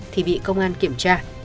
thì bị công an kiểm tra